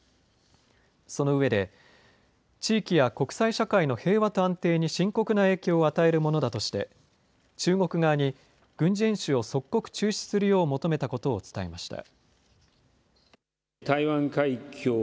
その上で、地域や国際社会の平和と安定に深刻な影響を与えるものだとして、中国側に軍事演習を即刻中止するよう求めたことを伝えました。